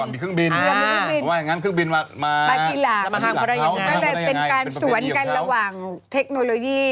ก็เลยเป็นการสวนกันระหว่างเทคโนโลยี